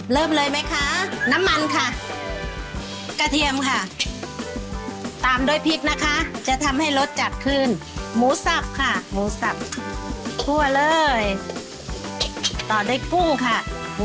เริ่มเลยไหมคะน้ำมันค่ะกระเทียมค่ะตามด้วยพริกนะคะจะทำให้รสจัดขึ้นหมูสับค่ะหมูสับคั่วเลยต่อด้วยกุ้งค่ะ